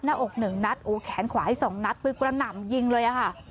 หน้าอก๑นัดอู๋แขนขวาย๒นัดปืนกระหน่ำยิงเลยค่ะ